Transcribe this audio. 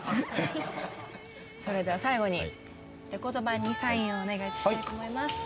それでは最後にレコード盤にサインをお願いしたいと思います。